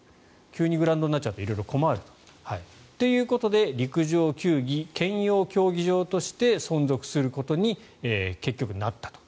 急にグラウンドになっちゃうと色々困るということで陸上・球技兼用競技場として存続することに結局なったと。